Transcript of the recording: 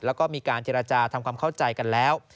แล้วก็มีการเจรจาทำความเข้าใจกันแล้ว